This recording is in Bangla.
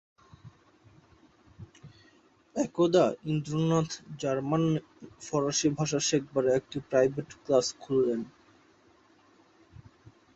একদা ইন্দ্রনাথ জার্মান ফরাসি ভাষা শেখাবার একটা প্রাইভেট ক্লাস খুললেন।